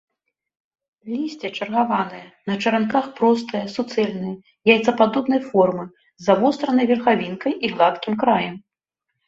Лісце чаргаванае, на чаранках, простае, суцэльнае, яйцападобнай формы, з завостранай верхавінкай і гладкім краем.